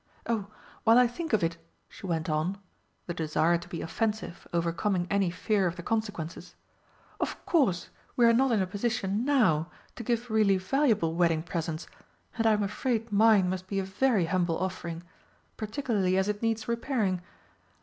Oh, while I think of it," she went on (the desire to be offensive overcoming any fear of the consequences), "of course we are not in a position now to give really valuable wedding presents and I'm afraid mine must be a very humble offering, particularly as it needs repairing.